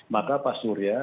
maka pak surya